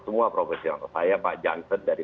semua profesional saya pak jansen dari